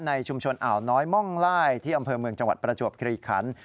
ในชุมชนอ่าวน้อยม่องไล่ที่อำเภอเมืองจังหวัดประจวบคลีคัน